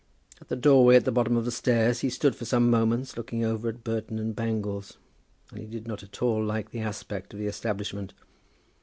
In the doorway at the bottom of the stairs he stood for some moments, looking over at Burton and Bangles', and he did not at all like the aspect of the establishment.